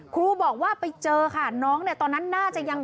ครูบอกว่าไปเจอค่ะน้องเนี่ยตอนนั้นน่าจะยัง